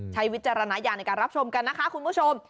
วิจารณญาณในการรับชมกันนะคะคุณผู้ชม